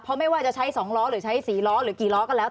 เพราะไม่ว่าจะใช้๒ล้อหรือใช้๔ล้อหรือกี่ล้อก็แล้ว